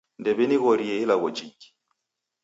Ndew'inighorie ilagho jingi